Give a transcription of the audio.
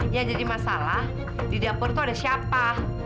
yang jadi masalah di dapur itu ada siapa